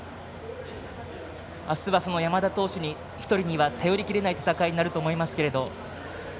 あすは山田投手１人には頼りきれない戦いになると思いますけれど。